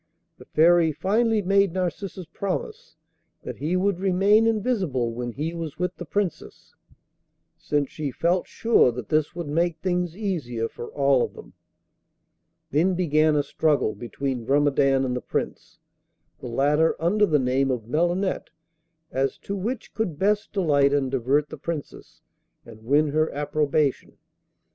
The Fairy finally made Narcissus promise that he would remain invisible when he was with the Princess, since she felt sure that this would make things easier for all of them. Then began a struggle between Grumedan and the Prince, the latter under the name of Melinette, as to which could best delight and divert the Princess and win her approbation.